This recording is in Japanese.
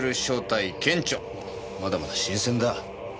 まだまだ新鮮だ。